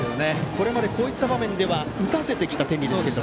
これまでこういった場面で打たせてきた天理ですが。